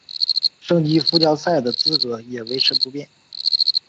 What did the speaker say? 升级附加赛的资格也维持不变。